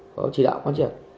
có chỉ đạo quan trọng